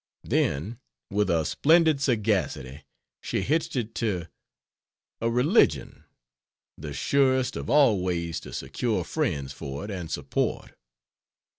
Then, with a splendid sagacity she hitched it to... a religion, the surest of all ways to secure friends for it, and support.